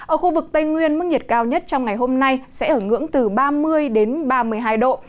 ở khu vực tây nguyên mức nhiệt cao nhất trong ngày hôm nay sẽ ở ngưỡng từ ba mươi đến ba mươi hai độ